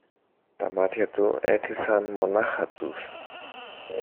τα μάτια του έκλεισαν μονάχα τους